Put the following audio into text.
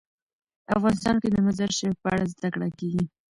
افغانستان کې د مزارشریف په اړه زده کړه کېږي.